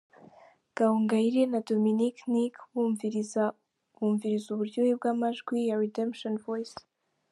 Gahongayire na Dominic Nic bumviriza uburyohe bw'amajwi ya Redemption Voice.